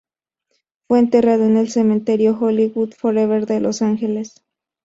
Fue enterrado en el Cementerio Hollywood Forever de Los Ángeles.